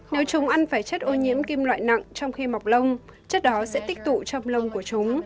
nếu chúng ăn phải chất ô nhiễm kim loại nặng trong khi mọc lông chất đó sẽ tích tụ trong lông của chúng